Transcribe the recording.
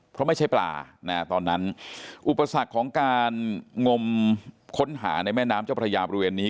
เพราะไม่ใช่ปลานะตอนนั้นอุปสรรคของการงมค้นหาในแม่น้ำเจ้าพระยาบริเวณนี้